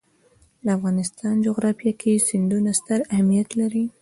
د افغانستان جغرافیه کې سیندونه ستر اهمیت لري.